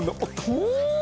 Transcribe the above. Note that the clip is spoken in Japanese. うん。